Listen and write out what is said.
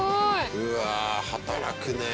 うわっ働くね。